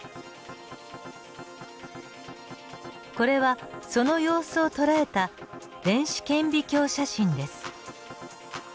これはその様子を捉えた電子顕微鏡写真です。